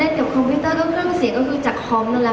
เล่นถึงคอมพิวเตอร์เครื่องเกิดก็จะคอมคอมนั่นแหละค่ะ